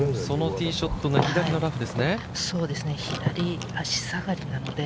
ティーショットが左のラフですね。